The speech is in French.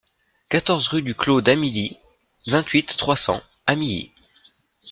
quatorze rue du Clos d'Amilly, vingt-huit, trois cents, Amilly